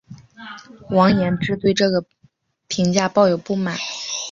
王延之对这个评价抱有不满。